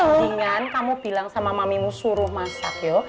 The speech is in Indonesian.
mendingan kamu bilang sama mamimu suruh masak yo